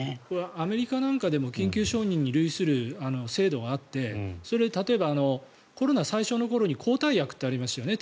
アメリカなんかでも緊急承認に類する制度があってそれで例えばコロナ、最初の頃に抗体薬ってありましたよね